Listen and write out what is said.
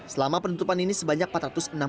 selama penutupan ini sebanyak empat ratus enam puluh